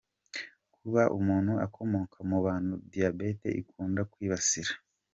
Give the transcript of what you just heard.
Kuba umuntu akomoka mu bantu diabète ikunda kwibasira.